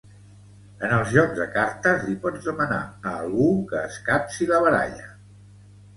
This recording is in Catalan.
En els jocs de cartes li pots demanar a algú que escapci la baralla